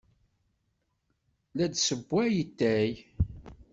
La d-tessewway atay.